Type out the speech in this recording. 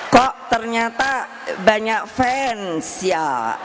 kok ternyata banyak fans ya